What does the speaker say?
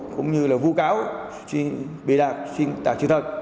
cũng như là phu cáo bị đạt xuyên tạc sự thật